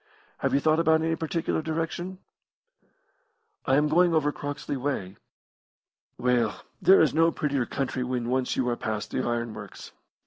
Have you thought of any particular direction?" "I am going over Croxley way." "Well, there is no prettier country when once you are past the iron works.